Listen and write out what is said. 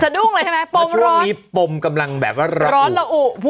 สะดุงเลยใช่ไม่ปมร้อนพอช่วงนี้ปมกำลังแบบว่าเหรออุ